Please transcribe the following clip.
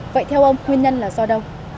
vậy theo ông nguyên nhân là do đâu